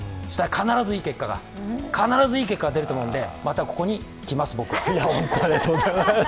必ずいい結果、必ずいい結果が出ると思うので、またここに来ます、僕は。